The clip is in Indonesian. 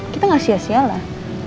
kita gak sia sialah